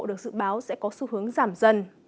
được dự báo sẽ có xu hướng giảm dần